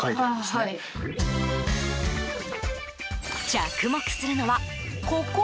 着目するのは、ここ。